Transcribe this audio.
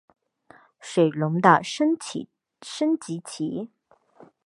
水龙的升级棋。